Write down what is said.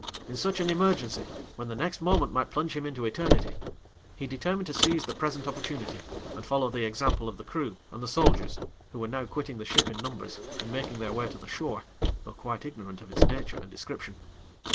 In such an emergency, when the next moment might plunge him into eternity, he determined to seize the present opportunity, and follow the example of the crew and the soldiers, who were now quitting the ship in numbers, and making their way to the shore, though quite ignorant of its nature and description.